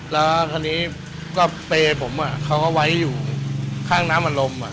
แล้วคราวนี้ก็เปรย์ผมเขาก็ไว้อยู่ข้างน้ำอารมณ์